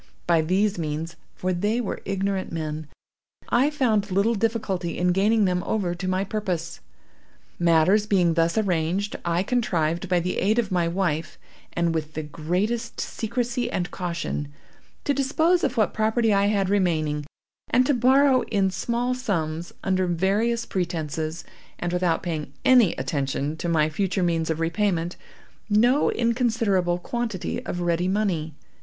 By these means—for they were ignorant men—I found little difficulty in gaining them over to my purpose. "Matters being thus arranged, I contrived, by the aid of my wife and with the greatest secrecy and caution, to dispose of what property I had remaining, and to borrow, in small sums, under various pretences, and without paying any attention to my future means of repayment, no inconsiderable quantity of ready money.